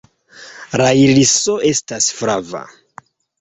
La iriso estas flava.